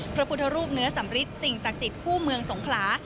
พระพุทธรูปเนื้อสำริทสิ่งศักดิ์สิทธิ์คู่เมืองสงขลา